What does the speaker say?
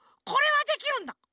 これはできるんだ！